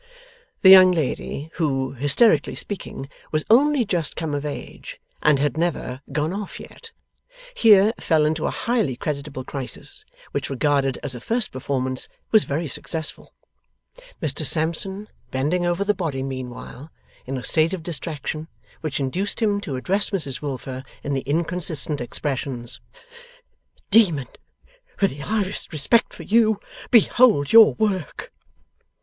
The young lady who, hysterically speaking, was only just come of age, and had never gone off yet, here fell into a highly creditable crisis, which, regarded as a first performance, was very successful; Mr Sampson, bending over the body meanwhile, in a state of distraction, which induced him to address Mrs Wilfer in the inconsistent expressions: 'Demon with the highest respect for you behold your work!